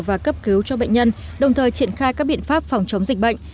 và cấp cứu cho bệnh nhân đồng thời triển khai các biện pháp phòng chống dịch bệnh